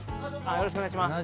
よろしくお願いします